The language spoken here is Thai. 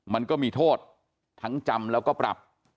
มันก็มีโทษทั้งจำแล้วก็ปรับ